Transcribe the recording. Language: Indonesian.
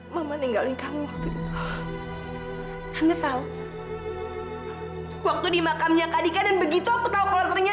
sampai jumpa di video selanjutnya